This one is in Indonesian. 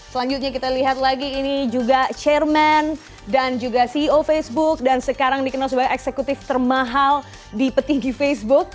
selanjutnya kita lihat lagi ini juga chairman dan juga ceo facebook dan sekarang dikenal sebagai eksekutif termahal di petinggi facebook